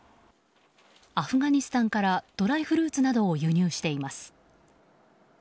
アフガニスタンからドライフルーツなどを輸入しています。